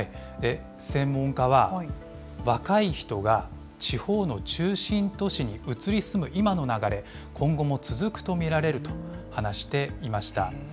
専門家は、若い人が地方の中心都市に移り住む今の流れ、今後も続くと見られると話していました。